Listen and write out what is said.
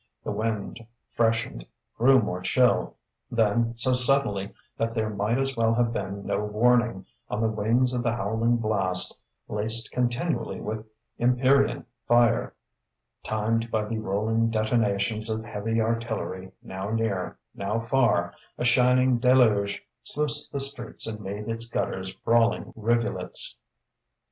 The wind freshened, grew more chill.... Then, so suddenly that there might as well have been no warning, on the wings of the howling blast, laced continually with empyrean fire, timed by the rolling detonations of heavy artillery now near, now far, a shining deluge sluiced the streets and made its gutters brawling rivulets.